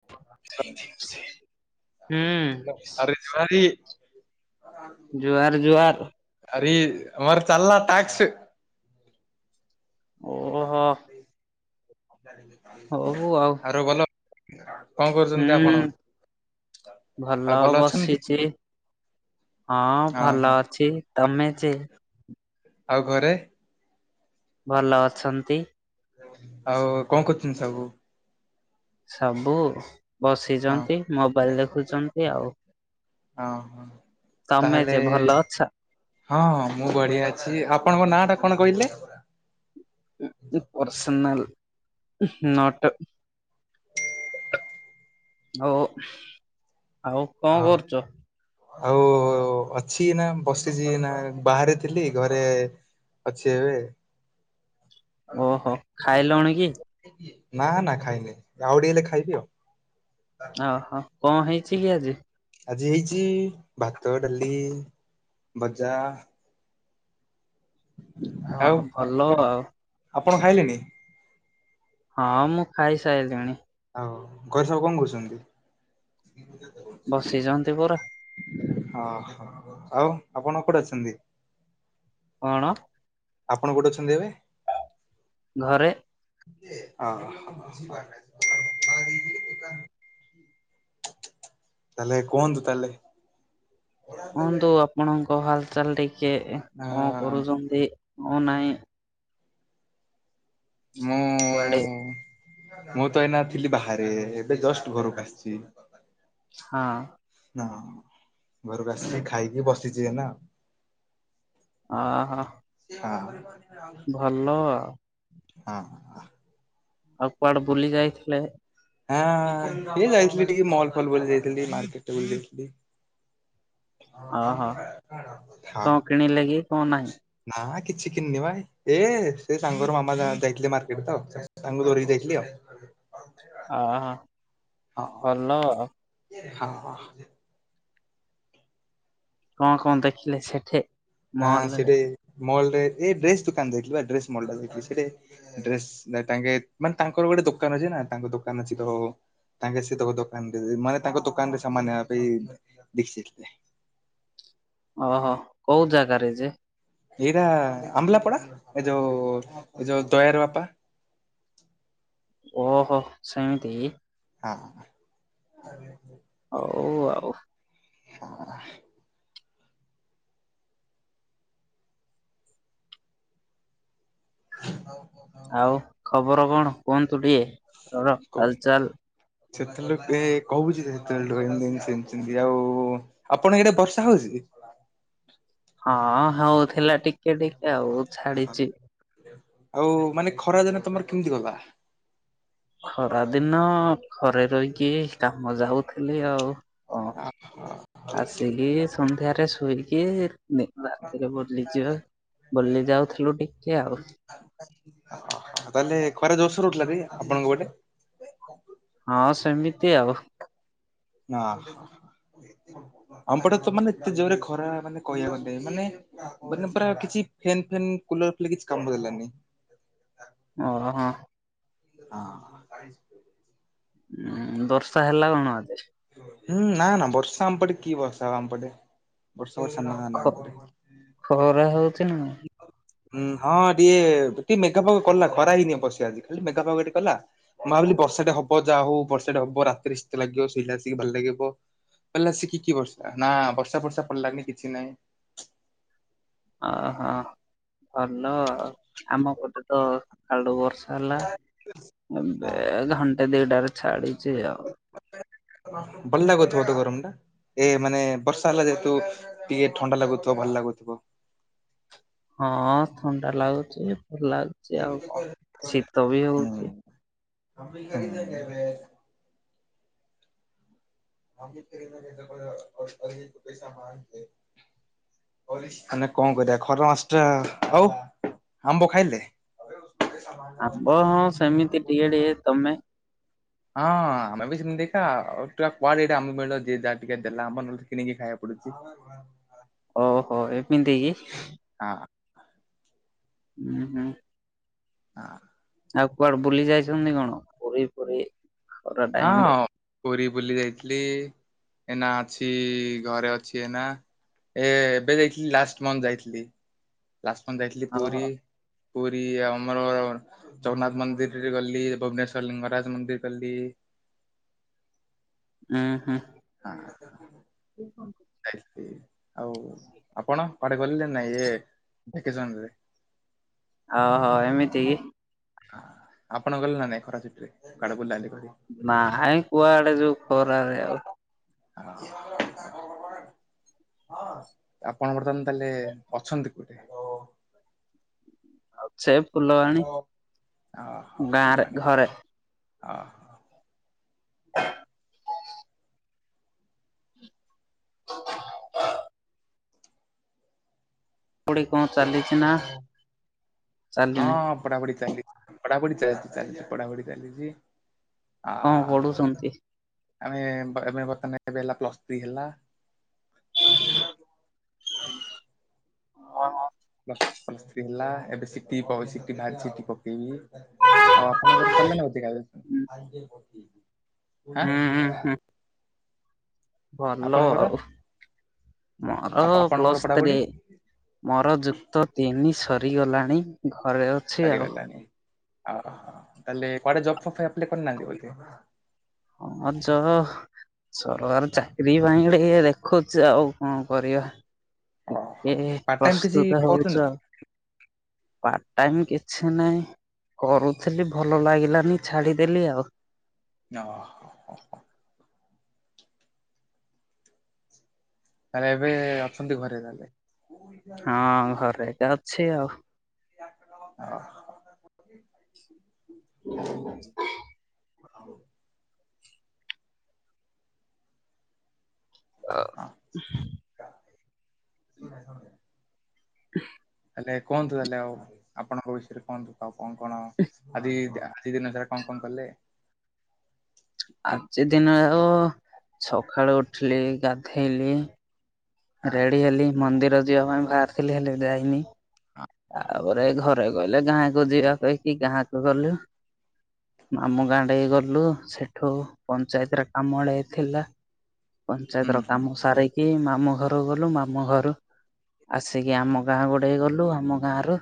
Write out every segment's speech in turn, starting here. ହୁଁ। ଯୁହାରି। ଜୁଆହାର ଜୁଆହାର ଆରେ ଆମର ଚାଲା ଟ୍ୟାକ୍ସ? କେତେ ପଇଲା ଓହୋ ହଉ ଆଉ। ଆଉ ଭଲ? କଣ କରୁଛନ୍ତି ହୁଁ ଆପଣ? ଆଉ ଭଲ ଅଛନ୍ତି ବସିଚି। ହଁ ଭଲ ଅଛି ତମେ ଯେ ଆଉ ଘରେ? ଭଲ ଅଛନ୍ତି? ଆଉ କଣ କରୁଛନ୍ତି ସବୁ? ସବୁ ହଁ ବସିଚନ୍ତି ମୋବାଇଲି ଦେଖୁଚନ୍ତି ଆଉ। ହଁ ହଁ ତମେ ତାହେଲେ ଯେ ଭଲ ଅଛ? ହଁ ହଁ ମୁଁ ବଢିଆ ଅଛି ଆପଣଙ୍କ ନାଁ ଟା କଣ କହିଲେ? ହୁଁ ହୁଁ ପସ୍ନାଲ ନଟ୍ ହଉ ଆଉ କଣ ହଁ କରୁଚ? ଆଉ ଅଛି ନା ବସିଚି ନା ବାହାରେ ଥିଲି ଘରେ ଅଛି ଏବେ। ଓହୋ ଖାଇଲୁଣି କି? ନା ନା ଖାଇନି ଆଉ ଟିକେ ହେଲେ ଖାଇବି ଆଉ। ଓହୋ କଣ ହେଇଚି କି ଆଜି? ଆଜି ହେଇଚି ଭାତ ଡାଲି ଭଜା ଆଉ ଓହୋ ଭଲ ଆଉ। ଆପଣ ଖାଇଲେନି? ହଁ ମୁଁ ଖାଇ ସାରିଲିଣି। ଆଉ ଘରେ ସବୁ କଣ କରୁଚନ୍ତି? ବସିଚନ୍ତି ବୋ ଅ ହୋ ଆଉ ଆପଣ କୋଉଠି ଅଛନ୍ତି? କଣ? ଆପଣ କୋଉଠି ଅଛନ୍ତି ଏବେ? ଘରେ। ଓହୋ। ତା ହେଲେ କୁହନ୍ତୁ ତା ହେଲେ କୁହନ୍ତୁ ଆପଣଙ୍କ ହାଲଚାଲ ଟିକେ ଆ କଣ କରୁଛନ୍ତି କଣ ନାହିଁ। ମୁଁ କୁଆଡେ ମୁଁ ତ ଏଇନା ଥିଲି ବାହାରେ ଏବେ ଜଷ୍ଟ ଘରକୁ ଆସିଚି। ହଁ ଆଉ। ହଁ ଘରକୁ ଆସିକି ଖାଇକି ବସିଚି ଏଇନା। ଅହ। ହଁ। ଭଲ ଆଉ। ହଁଅଁ। ଆଉ କୁଆଡେ ବୁଲି ଯାଇଥିଲେ? ହାଁ ଏଇ ଯାଇଥିଲି ଟିକେ ମଲ୍ ଫଲ୍ ବୁଲି ଯାଇଥିଲି ଟିକେ ମାର୍କେଟ ବୁଲି ଯାଇଥିଲି। ଅହ ହଁ। କଣ କିଣିଲେ କି କଣ ନାହିଁ? ନା କିଛି କିଣନି ମ ଏ ସେ ସାଙ୍ଗର ମାମା ଯାହା ଯାଇଥିଲେ ମାର୍କେଟ ତ ତାଙ୍କୁ ଧରିକି ଯାଇଥିଲି ଆଉ। ଅହ। ହଁ ଭଲ। ହଁ ହଁ। କଣ କଣ ଦେଖିଲେ ସେଠି? ଆଁ ମହଲରେ ସେଠି ମଲରେ ଏଇ ଡ୍ରେସ ଦୋକାନ ଯାଇଥିଲି ପା ଡ୍ରେସ ମଲଟା ଯାଇଥିଲି ସେଠି ଡ୍ରେସ ନା ତାଙ୍କେ ମାନେ ତାଙ୍କର ଗୋଟେ ଦୋକାନ ଅଛି ନା ତାଙ୍କ ଦୋକାନ ଅଛି ତ ତାଙ୍କେ ସେ ଦୋ ଦୋକାନରେ ମାନେ ତାଙ୍କ ଦୋକାନରେ ସାମାନ ନେବା ପାଇଁ ଦେଖି ଯାଇଥିଲେ। ଓହୋ କୋଉ ଜାଗାରେ ଯେ? ଏଇରା ଆମ୍ଲାପଡା ଏ ଯୋଉ ଏ ଯୋଉ ଦୟାର ବାପା ଓହୋ ସେମିତି ହଁ। ହୋଉ ଆଉ। ହଁ। ଆଉ କୋଉ ସ ଆଉ ଖବର କଣ କୁହନ୍ତୁ ଟିକେ ଘରର ହାଲଚାଲ? ସେତେବେଳଠୁ ଏ କୋହୁଚି ସେତେବେଳଠୁ ଏମତି ଏମତି ସେମତି ସେମତି ଆଉ ଆପଣ ଇଆଡେ ବର୍ଷା ହୋଉଚି କି? ହଁ ହେଉଥିଲା ଟି ଆଉ ମାନେ ଖରା ଦିନ ତମର କେମିତି ଗଲା? ଖରା ଦିନ ଘରେ ରହିକି କାମ ଯାଉଥିଲି ଆଉ ହଁ ଆଉ ଆସିକି ସନ୍ଧ୍ୟାରେ ଶୋଇକି ଦି ରାତିରେ ବୁଲିଯା ବୁଲି ଯାଉଥୁଲୁ ଟିକେ ଆଉ। ଅହ ତାହେଲେ ଖରା ଜୋରସୋରେ ହୋଉଥୁଲା ବି ଆପଣଙ୍କ ପଟେ? ହଁ ସେମିତି ଆଉ। ଅହ ଆମ ପଟେ ତ ମାନେ ଏତେ ଜୋରେ ଖରା ମାନେ କହିବାକୁ ନାଇ ମାନେ ମାନେ ପୁରା କିଛି ଫେନ୍ ଫେନ୍ କୁଲର ଫୁଲ କିଛି କାମ ଦେଲାନି। ଓହୋ। ଅହଁ। ଉଁ ବର୍ଷା ହେଲା କଣ ଆଜି? ଉଁ ନା ନା ବର୍ଷା ଆମପଟେ କି ବର୍ଷା ଆଉ ଆମ ପଟେ ବର୍ଷା ନା ଖ ନା ଆମ ପଟେ। ଖରା ହୋଉଚି ନା? ହୁଁ ହଁ ଟିକେ ଟିକେ ମେଘୁଆ ପାଗ କଲା ଖରା ହେଇନି ଅବଶ୍ୟ ଆଜି ଖାଲି ମେଘୁଆପାଗଟେ କଲା। ମୁଁ ଭାବିଲି ବର୍ଷାଟେ ହବ ଯାହା ହଉ ବର୍ଷାଟେ ହବ ରାତିରେ ଶୀତ ଲାଗିବ ଶୋଇଲା ଆସିକି ଭଲ ଲାଗିବ। କଲା ସେ କି କି ବର୍ଷା ନା ବର୍ଷା ଫର୍ଷା ପଡ଼ଲାନି କିଛି ନାହିଁ। ଓହୋ ଭଲ ଆଉ ଆମ ପଟେ ତ ସକାଳଟୁ ବର୍ଷା ହେଲା। ଏବେ ହଁ। ଘଣ୍ଟେ ଦିଇଟାରୁ ଛାଡିଚି ଆଉ। ବଲ ଲାଗୁଥୁବ ତ ଗରମଟା? ଏ ମାନେ ବର୍ଷା ହେଲା ଯେହେତୁ ଟିକେ ଥଣ୍ଡା ଲାଗୁଥିବ ଭଲ ଲାଗୁଥିବ। ହଁ ଥଣ୍ଡା ଲାଗୁଚି ଭଲ୍ ଲା ହୁଁ। କରି ପସା ମାନେ ଦେ ମାନେ କଣ କରିବା ଖରା ମାସ୍ ଟା ହଉ ଆମ୍ବ ଖାଇଲେ। ଆମ୍ବ ହଁ ସେମିତି ଟିକେ ଟିକେ ତମେ ହଁ ଆମେ ବି ସେମିତି କା ଆଉ କୁଆଡେ ଦିଟା ଆମ୍ବ ମିଳୁଚି ଯା ଟିକେ ଦେଲା ଆମ୍ବ ନହେଲେ କିଣିକି ଖାଇବାକୁ ପଡୁଚି। ହ ହଁ ଓହୋ ଏମିତିକି। ହଁ। ଉହୁଁ। ହଁ। ଆଉ କୁଆଡେ ବୁଲି ଯାଇଚନ୍ତି କଣ ପୁରୀ ଫୁରି। ହଁ ପୁରୀ ବୁଲି ଯାଇଥିଲି। ଏନା ଅଛି ଘରେ ଅଛି ଏଇନା। ଏ ଏବେ ଯାଇଥିଲି ଲାଷ୍ଟ ମନ୍ଥ୍ ଯାଇଥିଲି ଲାଷ୍ଟ ମନ୍ଥ୍ ଯାଇଥିଲି ଓହୋ ପୁରୀ। ପୁରୀ ଆମର। ଜଗନ୍ନାଥ ମନ୍ଦିର୍ ରେ ଗଲି ଭୁବନେଶ୍ଵର ଲିଙ୍ଗରାଜ୍ ମନ୍ଦିର୍ ଗଲି। ଉହୁଁ। [unintelligible] [unintelligible] ଯାଇଥିଲି ଆଉ ଆପଣ କୁଆଡ଼େ ଗଲେ ନା ନାଇଁ ଇଏ ଭେକେସନ୍ ରେ। ଅହ ଏମିତି କି। ହଁ ଆପଣ ଗଲେ ନା ନାଇଁ ଖରା ଛୁଟିରେ କୁଆଡ଼େ ବୁଲା ବୁଲି କରି। ନାଇ କୁଆଡେ ଯିବୁ ଖରାରେ ଆଉ। ଅହ। ଆପଣ ବର୍ତ୍ତମାନ ତାହେଲେ ଅଛନ୍ତି କୋଉଠି। ଛେ ଫୁଲବାଣୀ ଗାଁରେ ଘରେ। ଅହ। [inaudible] ପୁଣି କଣ ଚାଲିଛି ନା ଚାଲିନି। ପଢାପୁଢ଼ି ଚାଲିଚି ପଢାପୁଢ଼ୀ ଚାଲ୍ ଚାଲି ପଢା ପୁଢ଼ି ଚାଲିଛି। ଆ କଣ ପଢୁଛନ୍ତି ଆମେ ଏବେ ବର୍ତ୍ତମାନ ଏବେ ହେଲା ପ୍ଲସ୍ ଥ୍ରୀ ହେଲା। [inaudible] ହଁ। ପଲ ପ୍ଲସ୍ ଥ୍ରୀ ହେଲା ଏବେ ସିଟି ସି ବାହାର୍ଚି ସିଟି ପକେଇବି। ଆଉ ଆପଣଙ୍କର ସରିଲାଣି ଅଧା ଆଁ। ହୁଁ ହୁଁ ହୁଁ ଭଲ ଆପଣଙ୍କର ଆଉ ମୋର ଆପ ଆପଣଙ୍କର ପଢାପଢି ପ୍ଲସତ୍ରି। ମୋର ଯୁକ୍ତ ତିନି ସରିଗଲାଣି ଘରେ ଅଛି ଆଉ। ଅହ ତାଲେ କୁଆଡ଼େ ଜବ୍ ଫବ୍ ପାଇଁ ଅପ୍ପାଏ କନାହାନ୍ତି ବଧେ। ହଁ ଚହ ସରକାର ଚାକିରୀ ପାଇଁ ଟିକେ ଦେଖୁଛି ଆଉ। କଣ କରିବା ଓହୋ ଟିକେ ପାର୍ଟ ଟାଇମ୍ କିଛି ପ୍ରସ୍ତୁତ ହଉଛ ଆଉ। [inaudible] ପାର୍ଟ ଟାଇମ୍ କିଛି ନହିଁ କରୁଥିଲି ଭଲ ଲାଗିଲାନି ଛାଡିଦେଲି ଆଉ। ଅ ହ ହ। ତାହେଲେ ଏବେ ଅଛନ୍ତି ଘରେ ତାହେଲେ। ହଁ ଘରେ ଏକା ଅଛି ଆଉ। ଅହ। [inaudible] ଅ। [unintelligible] [inaudible] ତାଲେ କୁହନ୍ତୁ ତାହେଲେ ଆଉ, ଆପଣଙ୍କ ବିଷୟରେ କୁହନ୍ତୁ। ଆଉ କଣ କଣ ଆଜି ଆଜି ଦିନ ସାର କଣ କଣ କଲେ? ଆଜି ଦିନରେ ଆଉ, ସକାଳୁ ଉଠିଲି ଗାଧେଇଲି। ଆଁ ରେଡି ହେଲି, ମନ୍ଦିର ଯିବା ପାଇଁ ବାହାରି ଥିଲି, ହେଲେ ଯାଇନି। [unintelligible] ତାପରେ ଘରେ କହିଲେ ଗାଁକୁ ଯିବା କହିକି ଗାଁକୁ ଗଲୁ। ମାମୁ ଗାଁ ଆଡେ ଗଲୁ। ସେଠୁ ପଞ୍ଚାୟତର କାମଡ଼େ ଥିଲା। [inaudible] ପଞ୍ଚାୟତ ର ହୁଁ କାମ ସାର କି ମାମୁ ଘରୁ ଗଲୁ। ମାମୁ ଘରୁ ଆସିକି ଆମ ଗାଁ ଗୁଡେ ଗଲୁ, ଆମ ଗାଁ ର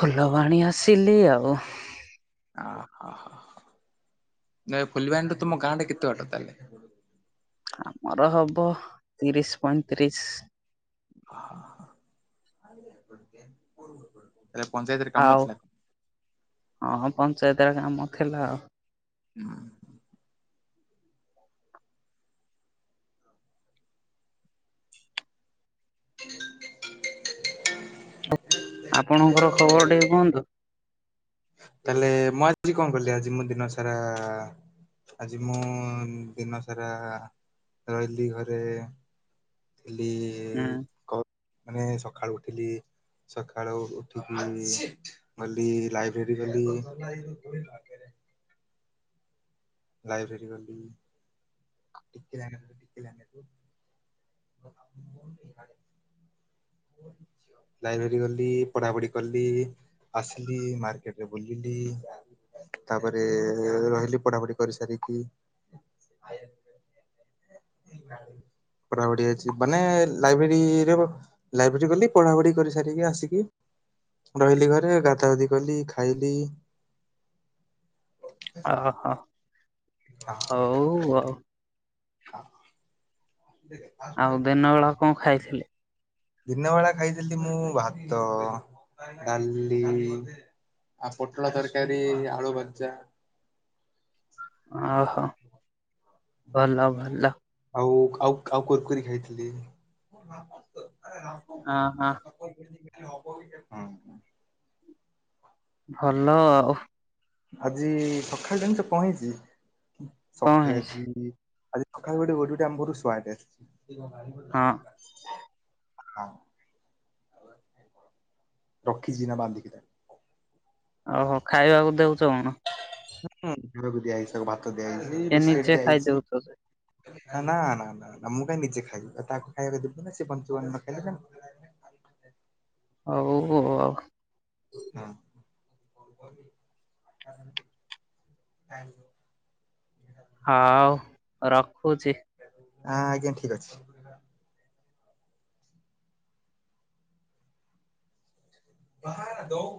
ଫୁଲବାଣୀ ଆସିଲି ଆଉ। ଓହ ହ। ନାଇଁ ଫୁଲବାଣନୀୁଠୁ ତୁମ ଗାଁ ଟା କେତେ ବାଟ ତାହେଲେ? ଆମର ହବ ତିରିଶ ପଇଁତିରିଶ। [unintelligible] ହେଲେ ପଞ୍ଚାୟତରେ କାମ ଥିଲା। ହଁ ହଁ ପଞ୍ଚାୟତର କାମ ଥିଲା ଆଉ। [unintelligible] [inaudible] ଆପଣଙ୍କର ଖବର ଟିକେ କୁହନ୍ତୁ? ତାହେଲେ ମୁଁ ଆଜି କଣ କଲିି ଆଜି ମୁଁ ଦିନ ସାରା ଆଜି ମୁଁ ଦିନ ସାରା ରହିଲି ଘରେ। ଉଥିଲି ହୁଁ ମାନେ ସକାଳୁ ଉଠିଲି ସକାଳୁ ଉଠିକି ଗଲି ଲାଇବ୍ରେରୀ ଗଲି। ଲାଇବ୍ରେରୀ [inaudible] [inaudible] ଲାଇବ୍ରେରୀ ଗଲି, ପଢାପଢି କଲି, ଆସିଲି, ମାର୍କେଟରେ ବୁଲିଲି। ତାପରେ ରହିଲି, ପଢାପଢି କରି ସାରିକି [inaudible] ପଢ଼ା ପଢି ଅଛି ମାନେ ଲାଇବ୍ରେରୀରେ ଲାଇବ୍ରେରୀ ଗଲି, ପଢାପଢି କରି ସାରିକି ଆସିକି ରହିଲି ଘରେ ଗାଧ ଗାଧି କଲି ଖାଇଲି। ଆହା ହଉ ଆଉ। [inaudible] [inaudible] ଆଉ ଦିନ ବେଳା କଣ ଖାଇଥିଲି ଦିନ ବଳା ଖାଇଥିଲି ମୁଁ ଭାତ, ଡାଲି। ଆଉ ପୋଟଳ ତରକାରୀ, ଆଳୁ ଭଜା। ଓହୋ ଭଲ ଭଲ। ଆଉ ଆଉ ଆଉ କୁରକୁରି ଖାଇଥିଲି। ଆଁ ହଁ। [unintelligible] ଭଲ ଆଉ। ଆଜି ସକାଳେ ଜଣିଛ ହେଇଚି? କଣ ସକାଳେ ହେଇଛି ଆଜି ଆଜି ଖଡା ଗଟ [unintelligible] ଗଟୁଟି ଆମ ଘରକୁ ସ୍ୱାଦ ହଁ ଆସିଛି। [inaudible] ହଁ ରଖିଛି ନା ବାନ୍ଧିକି। ଓହୋ ଖାଇବାକୁ ଦଉଛ କଣ। ହଁ ଖାଇ ବାକୁ ଦିଆହାଇଛି, ଭାତ ଦିଆହାଇଛି। ଏ ବିସ୍କିଟ୍ଟ ନିଜେ ଦିଆହେଇଛି। ଖାଇଦଉଛ ନା, ନା, ନା, ନା, ମୁଁ କାଇହିଁ ନିଜେ ଖାଇବିଉ ତାକୁ ଖାଇବାକୁ ଦେବୁ ନା ସେ ବଞ୍ଚିବ ନ ଖାଇଲେ। ହଉ ଆଉ। ହଁ [inaudible] [unintelligible] ହଉ ରଖୁଛି। ହଁ ଆଜ୍ଞା ଠିକ୍ ଅଛି। ବାହହାର ଦଉ